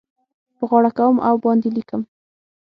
په غاړه کوم او باندې لیکم